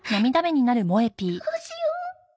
どうしよう。